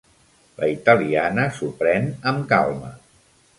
La italiana s'ho pren amb calma.